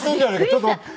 ちょっと。